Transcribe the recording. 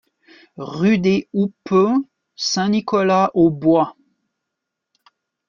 Rue des Houppeux, Saint-Nicolas-aux-Bois